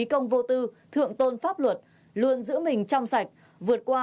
công vô tư thượng tôn pháp luật luôn giữ mình trong sạch vượt qua